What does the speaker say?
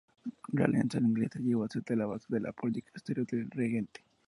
La alianza inglesa llegó á ser la base de la política exterior del regente.